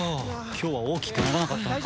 今日は大きくならなかったな。